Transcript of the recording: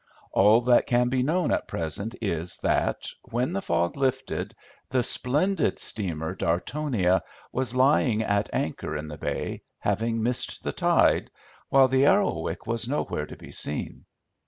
All that can be known at present is, that, when the fog lifted, the splendid steamer Dartonia was lying at anchor in the bay, having missed the tide, while the Arrowic was nowhere to be seen.